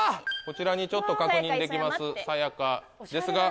こちらにちょっと確認できます